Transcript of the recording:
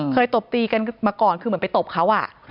ตบตีกันมาก่อนคือเหมือนไปตบเขา